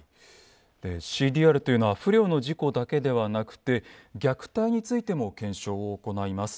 ＣＤＲというのは不慮の事故だけではなくて虐待についても検証を行います。